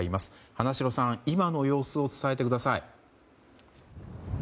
花城さん、今の様子を伝えてください。